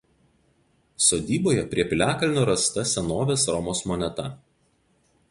Sodyboje prie piliakalnio rasta senovės Romos moneta.